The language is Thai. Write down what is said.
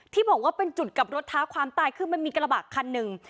ที่บอกว่าเป็นจุดกลับรถท้าความตายคือมันมีกระบะคันหนึ่ง